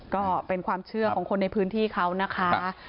ก็เป็นความเชื่อของคนในพื้นที่เขานะคะ